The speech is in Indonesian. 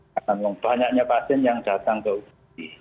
karena banyaknya pasien yang datang ke ugt